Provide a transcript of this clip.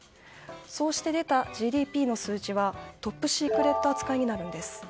そうして出たＧＤＰの数値はトップシークレット扱いになるんです。